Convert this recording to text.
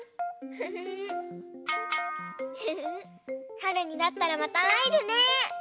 はるになったらまたあえるね。